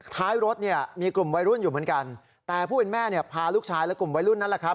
ท้ายรถเนี่ยมีกลุ่มวัยรุ่นอยู่เหมือนกันแต่ผู้เป็นแม่เนี่ยพาลูกชายและกลุ่มวัยรุ่นนั่นแหละครับ